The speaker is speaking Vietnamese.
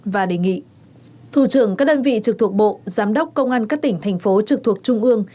và đề nghị thủ trưởng các đơn vị trực thuộc bộ giám đốc công an các tỉnh thành phố trực thuộc trung ương